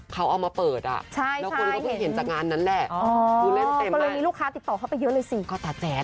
เพราะว่าล่านี่เงินขึ้นบ้านใหม่เขาเอาป่ะไหร่คะ